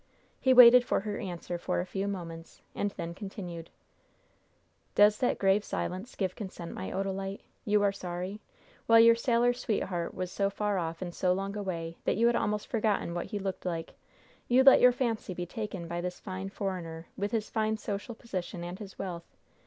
He waited for her answer for a few moments, and then continued: "Does that grave silence give consent, my Odalite? You are sorry? While your sailor sweetheart was so far off and so long away that you had almost forgotten what he looked like, you let your fancy be taken by this fine foreigner, with his fine social position and his wealth.